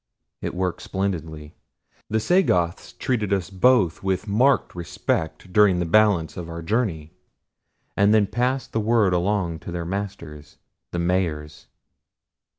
It worked splendidly. The Sagoths treated us both with marked respect during the balance of the journey, and then passed the word along to their masters, the Mahars.